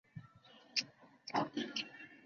字子上。